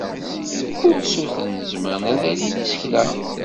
Ursuten zemren ad alin isekla.